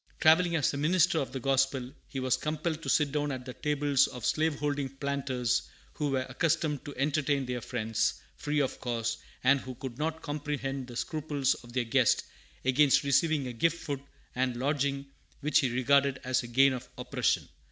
Travelling as a minister of the gospel, he was compelled to sit down at the tables of slaveholding planters, who were accustomed to entertain their friends free of cost, and who could not comprehend the scruples of their guest against receiving as a gift food and lodging which he regarded as the gain of oppression.